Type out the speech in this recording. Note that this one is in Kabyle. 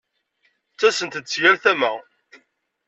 Ttasen-d si yal tama.